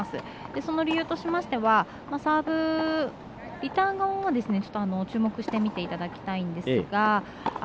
その理由としましてはリターン側を注目して見ていただきたいんですが。